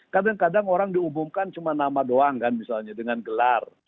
kadang kadang orang diumumkan cuma nama doang kan misalnya dengan gelar